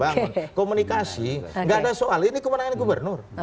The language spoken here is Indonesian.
tapi kalau komunikasi gak ada soal ini kebenaran gubernur